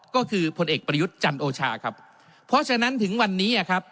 ก็คือพลเอกประยุทธ์จันโอชาครับเพราะฉะนั้นถึงวันนี้อ่ะครับ